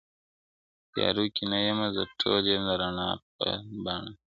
تيارو كي نه يمه زه ټول يم د رڼا پـــر پـــاڼــــــــــــه.